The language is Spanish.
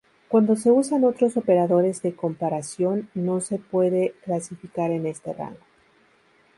Cuando se usan otros operadores de comparación no se puede clasificar en este rango.